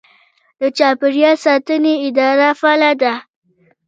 د چاپیریال ساتنې اداره فعاله ده.